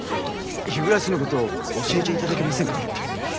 日暮のこと教えて頂けませんか？